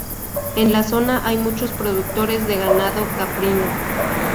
En la zona hay muchos productores de ganado caprino.